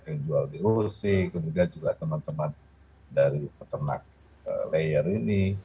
yang jual doc kemudian juga teman teman dari peternak layer ini